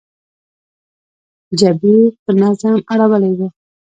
جبیر په نظم اړولې وه.